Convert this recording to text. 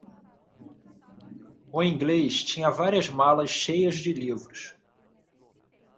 O inglês tinha várias malas cheias de livros.